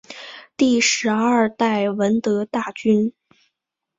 是第十二代闻得大君。